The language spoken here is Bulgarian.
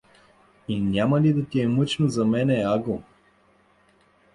— И няма ли да ти е мъчно за мене, Аго?